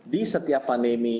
di setiap pandemi